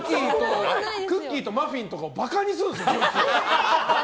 クッキーとマフィンとかを馬鹿にするんですよ、この人。